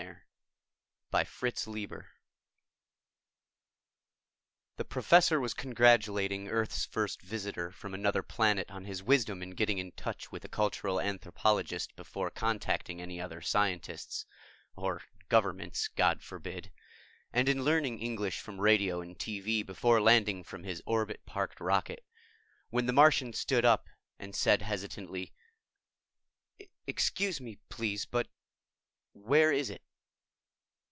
_ Illustrated By BOWMAN The Professor was congratulating Earth's first visitor from another planet on his wisdom in getting in touch with a cultural anthropologist before contacting any other scientists (or governments, God forbid!), and in learning English from radio and TV before landing from his orbit parked rocket, when the Martian stood up and said hesitantly, "Excuse me, please, but where is it?"